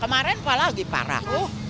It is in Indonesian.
kemarin apalagi parah